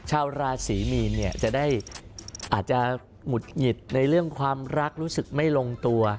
ชาวราศีมีนเนี่ยจะได้อาจจะหงุดหงิดในเรื่องความรักรู้สึกไม่ลงตัว